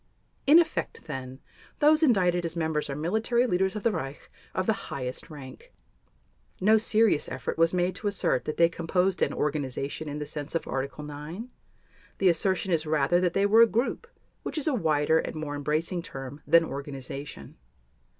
In effect, then, those indicted as members are military leaders of the Reich of the highest rank. No serious effort was made to assert that they composed an "organization" in the sense of Article 9. The assertion is rather that they were a "group", which is a wider and more embracing term than "organization."